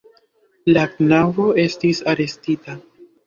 La knabo estis arestita.